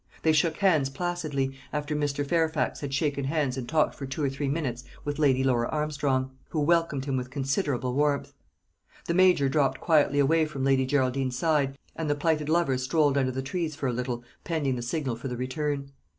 They shook hands placidly, after Mr. Fairfax had shaken hands and talked for two or three minutes with Lady Laura Armstrong, who welcomed him with considerable warmth. The major dropped quietly away from Lady Geraldine's side, and the plighted lovers strolled under the trees for a little, pending the signal for the return.